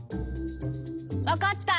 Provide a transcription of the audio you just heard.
分かった！